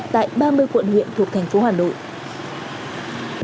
tại ba mươi quận huyện thuộc thành phố hà nội